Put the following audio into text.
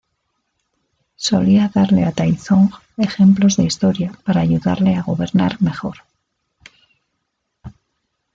Solía darle a Taizong ejemplos de historia para ayudarle a gobernar mejor.